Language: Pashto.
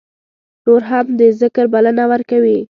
نور هم د ذکر بلنه ورکوي.